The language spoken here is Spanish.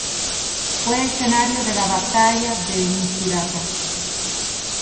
Fue escenario de la batalla de Misurata.